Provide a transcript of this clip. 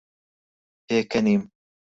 پێکەنیم.